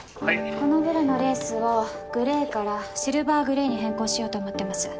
このブラのレースをグレーからシルバーグレーに変更しようと思ってます